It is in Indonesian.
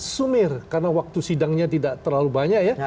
sumir karena waktu sidangnya tidak terlalu banyak ya